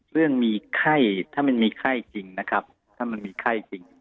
เรื่องมีไข้จริงถ้ามันมีไข้จริง